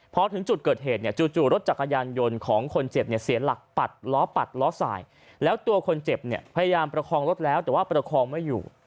พอถึงจุดเกิดเหตุเนี่ยจู่รถจักรยานยนต์ของคนเจ็บเนี่ยเสียหลักปัดล้อปัดล้อสายแล้วตัวคนเจ็บเนี่ยพยายามประคองรถแล้วแต่ว่าประคองไม่อยู่